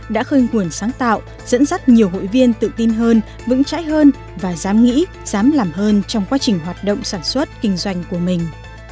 đã khơi nguồn sáng tạo dẫn dắt nhiều hội viên tự tin hơn vững trái hơn và dám nghĩ dám làm hơn trong quá trình hoạt động sản xuất kinh doanh của mình